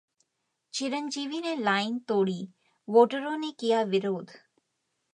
चिरंजीवी ने लाइन तोड़ी, वोटरों ने किया विरोध